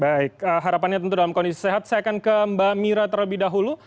baik harapannya tentu dalam kondisi sehat saya akan ke mbak mira terlebih dahulu